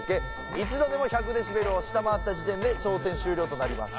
一度でも１００デシベルを下回った時点で挑戦終了となります・